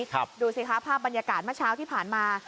ดูสิคะภาพบรรยากาศเมื่อเช้าที่ผ่านมา